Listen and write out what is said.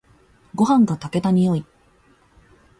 ごはんが炊けた匂い。